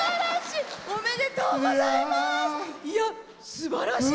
すばらしい！